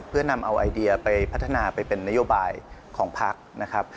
เพื่อนำเอาไอเดียไปพัฒนาไปเป็นนโยบายของพักนะครับ